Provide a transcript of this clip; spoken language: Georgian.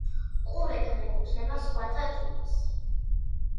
ყურე განეკუთვნება ზღვათა ტიპს.